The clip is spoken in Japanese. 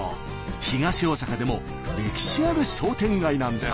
東大阪でも歴史ある商店街なんです。